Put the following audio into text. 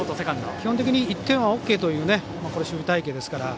基本的に１点はオーケーという守備隊形ですから。